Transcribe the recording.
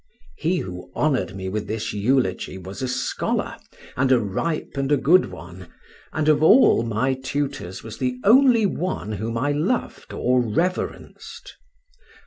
He who honoured me with this eulogy was a scholar, "and a ripe and a good one," and of all my tutors was the only one whom I loved or reverenced.